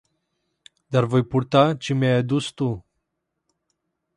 Dar voi purta ce mi-ai adus tu.